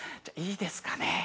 いいですかね？